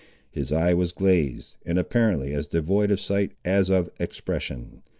His eye was glazed, and apparently as devoid of sight as of expression.